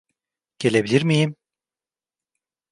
Gelebilir miyim?